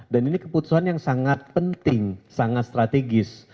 dan ini keputusan yang sangat penting sangat strategis